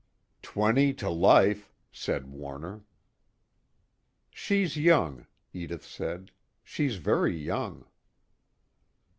"Twenty to life," said Warner. "She's young," Edith said. "She's very young."